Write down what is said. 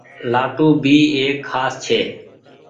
لآٽون ڀي ايڪ کآس ڇي۔